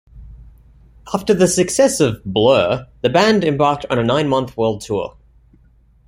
After the success of "Blur", the band embarked on a nine-month world tour.